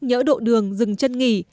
nhỡ độ đường dừng chân nghỉ